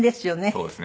そうですね。